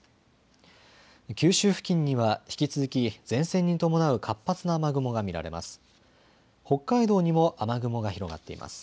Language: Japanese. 九州付近には引き続き前線に伴う活発な雨雲が見られます。